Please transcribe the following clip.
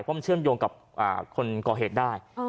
เพราะมันเชื่อมโยงกับคนก่อเหตุได้